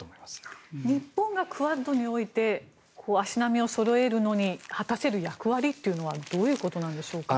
日本がクアッドにおいて足並みをそろえるのに果たせる役割はどういうことなんでしょうか。